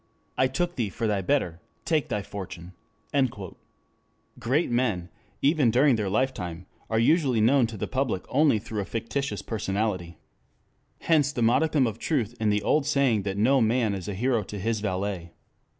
I took thee for thy better; take thy fortune." 2 Great men, even during their lifetime, are usually known to the public only through a fictitious personality. Hence the modicum of truth in the old saying that no man is a hero to his valet.